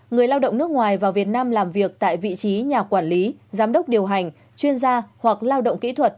người lao động nước ngoài vào việt nam làm việc tại vị trí nhà quản lý giám đốc điều hành chuyên gia hoặc lao động kỹ thuật